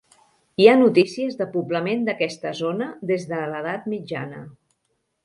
Hi ha notícies de poblament d'aquesta zona des de l'edat mitjana.